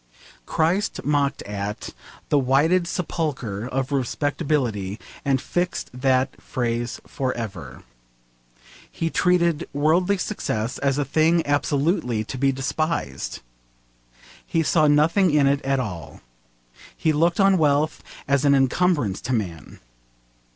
Christ mocked at the 'whited sepulchre' of respectability, and fixed that phrase for ever. He treated worldly success as a thing absolutely to be despised. He saw nothing in it at all. He looked on wealth as an encumbrance to a man.